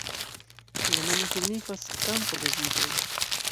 La nomo signifas "kampo de vitoj".